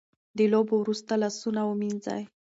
د لوبو وروسته لاسونه ومینځئ.